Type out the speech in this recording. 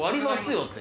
よって。